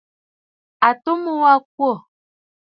Àtu mu wa a kwô.